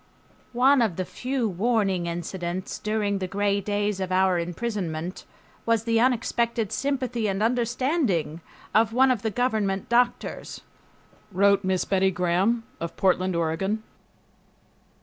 "One of the few warning incidents during the gray days of our imprisonment was the unexpected sympathy and understanding of one of the government doctors," wrote Miss Betty Gram of Portland, Oregon.